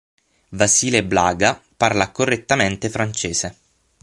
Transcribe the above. Vasile Blaga parla correntemente francese.